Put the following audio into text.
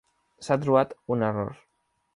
S'ha trobat un error.